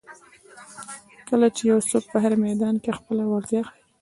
کله چې یو څوک په هر میدان کې خپله وړتیا ښایي.